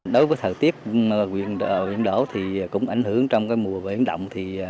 đối với thời tiết huyện đảo thì cũng ảnh hưởng trong mùa biển động